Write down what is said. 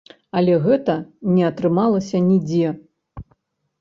Але гэта не атрымалася нідзе.